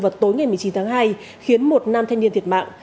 vào tối ngày một mươi chín tháng hai khiến một nam thanh niên thiệt mạng